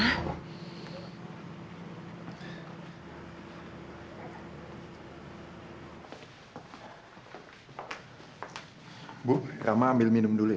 ibu rama ambil minum dulu ya